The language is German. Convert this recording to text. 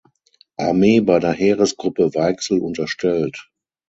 Armee bei der Heeresgruppe Weichsel unterstellt.